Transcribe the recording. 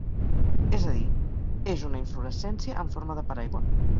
És a dir, és una inflorescència en forma de paraigua.